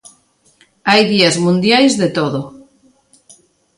Hai días mundiais de todo.